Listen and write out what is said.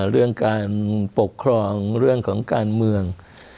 เรื่องการปกครองเรื่องของการเมือง